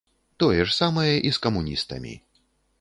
Тое ж самае і з камуністамі.